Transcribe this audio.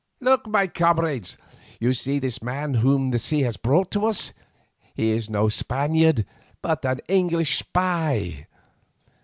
Look, my comrades, you see this young man whom the sea has brought to us. He is no Spaniard but an English spy.